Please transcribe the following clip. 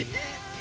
え。